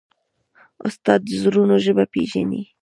استاد د زړونو ژبه پېژني.